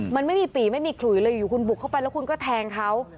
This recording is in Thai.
มันไม่มีปีไม่มีขลุยเลยอยู่คุณบุกเข้าไปแล้วคุณก็แทงเขา